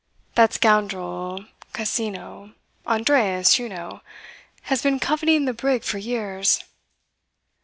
That scoundrel Cousinho Andreas, you know has been coveting the brig for years.